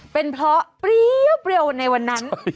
เป็นเพราะเปรี้ยวในวันนั้น